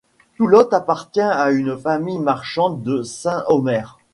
Toulotte appartient à une famille marchande de Saint-Omer.